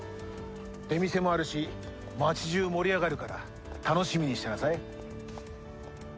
出店もあるし町中盛り上がるから楽しみにしてなさい。